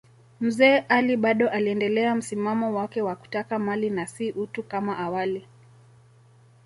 Mzee Ali bado aliendelea msimamo wake wa kutaka mali na si utu kama awali.